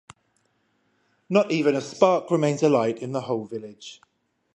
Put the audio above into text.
Not even a spark remains alight in the whole village.